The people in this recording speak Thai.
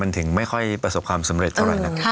มันถึงไม่ค่อยประสบความสำเร็จเท่าไหร่นัก